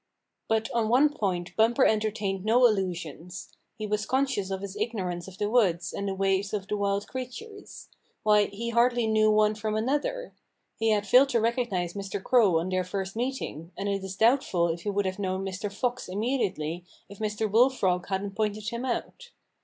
But on one point Bumper entertained no il lusions. He was conscious of his ignorance of the woods and the ways of the wild creatures. Why, he hardly knew one from another! He had failed to recognize Mr. Crow on their first meeting, and it is doubtful if he would have known Mr. Fox immediately if Mr. Bull Frog hadn't pointed him out.